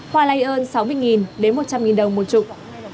hoa lây ơn sáu mươi đến một trăm linh đồng một chục